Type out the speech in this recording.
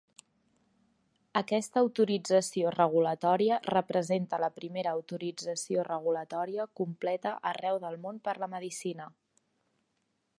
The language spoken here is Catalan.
Aquesta autorització regulatòria representa la primera autorització regulatòria completa arreu del món per la medecina.